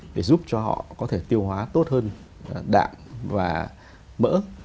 để giúp cho họ có thể tiêu hóa tốt hơn đạm và mỡ